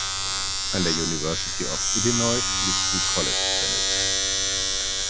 An der University of Illinois spielte sie College Tennis.